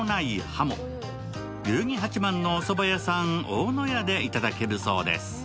代々木八幡のおそば屋さん、大野屋でいただけるそうです。